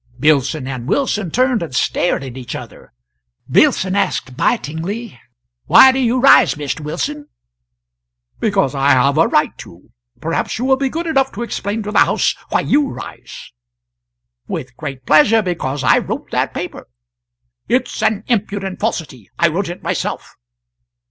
Billson and Wilson turned and stared at each other. Billson asked, bitingly: "Why do you rise, Mr. Wilson?" "Because I have a right to. Perhaps you will be good enough to explain to the house why you rise." "With great pleasure. Because I wrote that paper." "It is an impudent falsity! I wrote it myself."